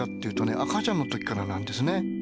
赤ちゃんの時からなんですね。